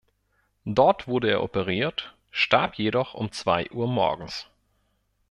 Dort wurde er operiert, starb jedoch um zwei Uhr morgens.